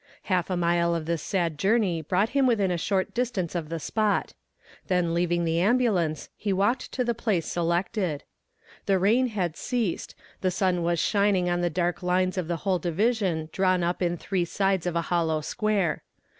Half a mile of this sad journey brought him within a short distance of the spot. Then leaving the ambulance, he walked to the place selected. The rain had ceased, the sun was shining on the dark lines of the whole division drawn up in three sides of a hollow square.